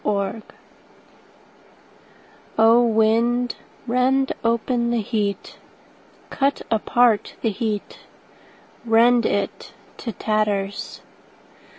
Heat O WIND, rend open the heat, Cut apart the heat, Rend it to tatters.